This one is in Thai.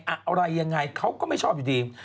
อะไรยังไงเขาก็ไม่ชอบอยู่ดี